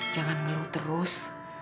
jangan ngeluh terus